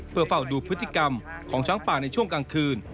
เพื่อเฝ้าดูพฤติกรรมของช้างป่าในช่วงกลางคืน